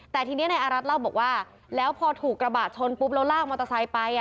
แต่ทีนี้นายอารัฐเล่าบอกว่าแล้วพอถูกกระบะชนปุ๊บแล้วลากมอเตอร์ไซค์ไป